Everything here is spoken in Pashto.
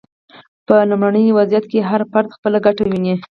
په لومړني وضعیت کې هر فرد خپله ګټه ویني.